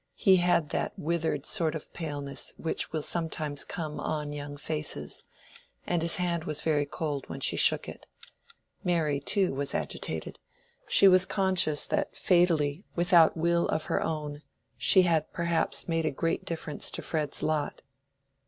He had that withered sort of paleness which will sometimes come on young faces, and his hand was very cold when she shook it. Mary too was agitated; she was conscious that fatally, without will of her own, she had perhaps made a great difference to Fred's lot.